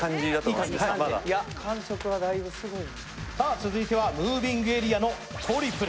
続いてはムービングエリアのトリプル。